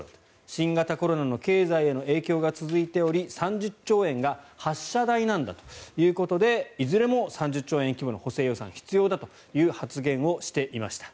新型コロナの経済への影響が続いており３０兆円が発射台なんだということでいずれも３０兆円規模の補正予算必要だという発言をしていました。